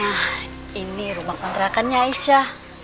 nah ini rumah kontrakannya aisyah